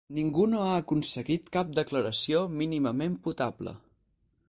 Ningú no ha aconseguit cap declaració mínimament potable.